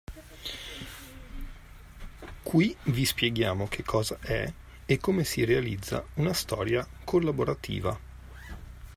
Qui vi spieghiamo che cosa è e come si realizza una storia collaborativa.